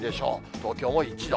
東京も１度。